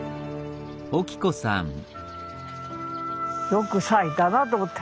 よく咲いたなあと思って。